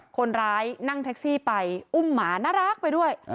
คนร้ายนั่งแท็กซี่ไปอุ้มหมาน่ารักไปด้วย